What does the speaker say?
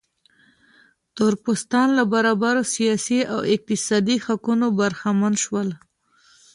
تور پوستان له برابرو سیاسي او اقتصادي حقونو برخمن شول.